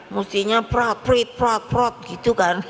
mestinya prat prit prat prot gitu kan